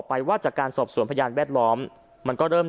พระเจ้าอาวาสกันหน่อยนะครับ